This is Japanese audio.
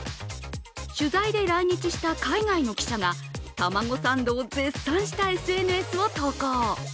取材で来日した海外の記者がタマゴサンドを絶賛したＳＮＳを投稿